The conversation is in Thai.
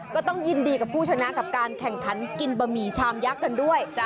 ก็ต้องยินดีกับผู้ชนะกับการแข่งขันกินบะหมี่ชามยักษ์กันด้วย